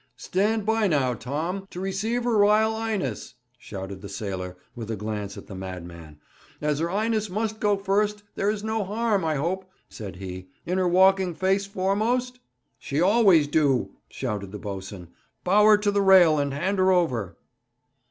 'Stand by now, Tom, to receive her Ryle 'Ighness!' shouted the sailor, with a glance at the madman. 'As her 'Ighness must go first, there's no harm, I hope,' said he, 'in her walking face foremost?' 'She always do,' shouted the boatswain. 'Bow her to the rail, and hand her over.'